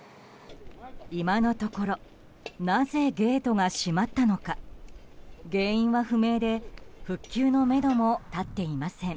今のところなぜゲートが閉まったのか原因は不明で復旧のめども立っていません。